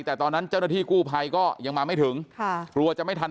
แต่ตอนนั้นเจ้าหน้าที่กู้ภัยก็ยังมาไม่ถึงค่ะกลัวจะไม่ทัน